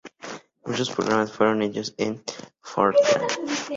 Muchos programas fueron hechos en Fortran.